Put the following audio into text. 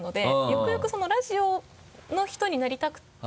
ゆくゆくそのラジオの人になりたくて。